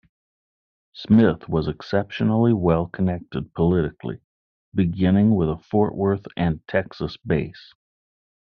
Smith was exceptionally well-connected politically, beginning with a Fort Worth and Texas base.